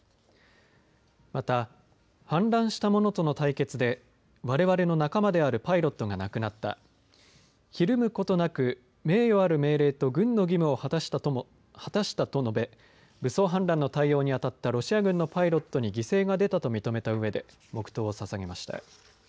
また、反乱した者との対決でわれわれの仲間であるパイロットが亡くなったひるむことなく名誉ある命令と軍の義務を果たしたと述べ武装反乱の対応に当たったロシア軍のパイロットに犠牲がでたと認めたうえで黙とうをささげました。